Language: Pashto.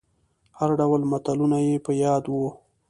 هر ډول متلونه يې په ياد وو.